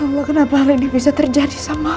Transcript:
ya allah kenapa hal ini bisa terjadi sama aku